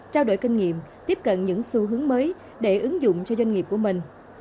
trao đổi kinh nghiệm tiếp cận những xu hướng mới để ứng dụng cho doanh nghiệp của mình